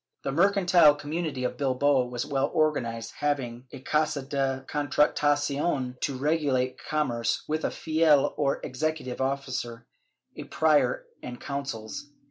The mercantile community of Bilbao was well organized, having a Casa de Contratacion to regulate com merce, with a Fiel or executive officer, a Prior and Consuls.